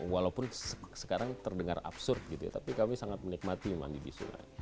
walaupun sekarang terdengar absurd gitu ya tapi kami sangat menikmati mandi di sungai